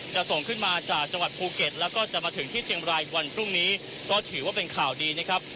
จะส่งขึ้นมาจากจังหวัดภูเก็ตแล้วก็จะมาถึงที่เชียงบรายวันพรุ่งนี้ก็ถือว่าเป็นข่าวดีนะครับ